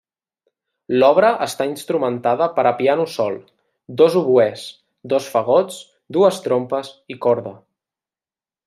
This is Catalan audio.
L'obra està instrumentada per a piano sol, dos oboès, dos fagots, dues trompes, i corda.